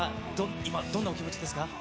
今、どんなお気持ちですか？